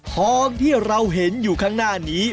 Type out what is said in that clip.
ทองที่เราเห็นอยู่ข้างหน้านี้